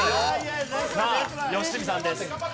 さあ吉住さんです。